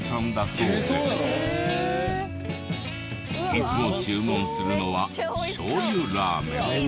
いつも注文するのはしょうゆラーメン。